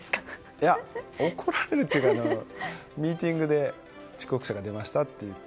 いや怒られるっていうかミーティングで遅刻者が出ましたと言って。